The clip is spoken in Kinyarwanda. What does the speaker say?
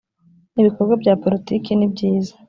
ibikorwa bya politiki nibyiza.